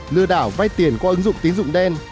lừa đảo vay tiền qua ứng dụng tín dụng đen